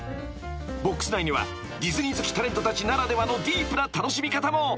［ＢＯＸ内にはディズニー好きタレントたちならではのディープな楽しみ方も］